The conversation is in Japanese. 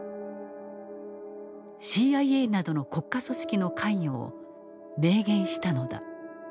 ＣＩＡなどの国家組織の関与を明言したのだ。